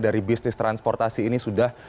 dari bisnis transportasi ini sudah